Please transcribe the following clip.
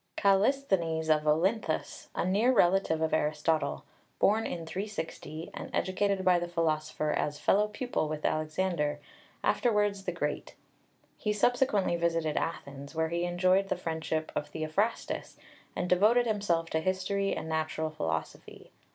KALLISTHENES of Olynthus, a near relative of Aristotle; born in 360, and educated by the philosopher as fellow pupil with Alexander, afterwards the Great. He subsequently visited Athens, where he enjoyed the friendship of Theophrastus, and devoted himself to history and natural philosophy.